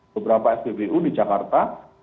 beberapa sbbu di jakarta